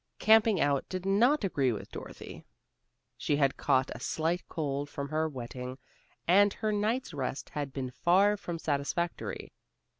Camping out did not agree with Dorothy. She had caught a slight cold from her wetting, and her night's rest had been far from satisfactory.